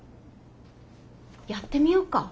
やってみようか。